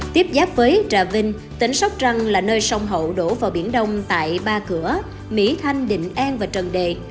tiếp giáp với trà vinh tỉnh sóc trăng là nơi sông hậu đổ vào biển đông tại ba cửa mỹ thanh định an và trần đề